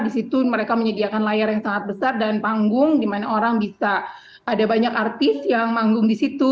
di situ mereka menyediakan layar yang sangat besar dan panggung di mana orang bisa ada banyak artis yang manggung di situ